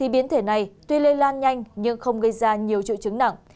biến thể này tuy lây lan nhanh nhưng không gây ra nhiều trụ trứng nặng